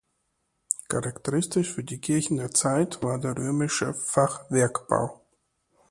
Charakteristisch für die Kirchen der Zeit war der römische Fachwerkbau.